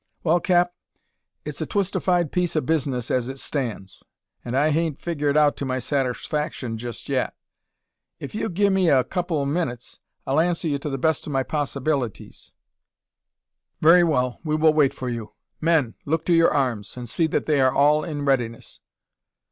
"Wal, cap, it's a twistified piece o' business as it stans; an' I hain't figured it out to my satersfaction jest yet. If 'ee'll gi' me a kupple o' minutes, I'll answer ye to the best o' my possibilities." "Very well; we will wait for you. Men! look to your arms, and see that they are all in readiness."